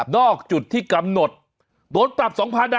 นอกจุดที่กำหนดโดนปรับสองพันนะ